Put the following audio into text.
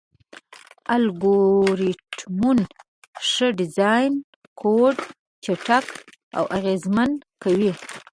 د الګوریتمونو ښه ډیزاین کوډ چټک او اغېزمن کوي.